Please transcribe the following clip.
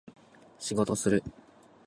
仕事する